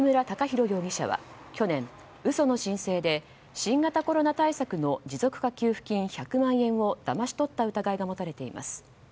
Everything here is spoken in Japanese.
央容疑者は去年、嘘の申請で新型コロナ対策の持続化給付金１００万円をだまし取った疑いが持たれています。